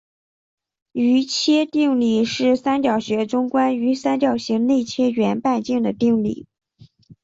余切定理是三角学中关于三角形内切圆半径的定理。